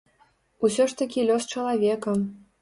Усё ж такі лёс чалавека.